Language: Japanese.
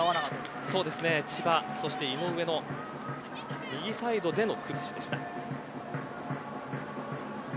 千葉そして井上の右サイドでの崩しでした。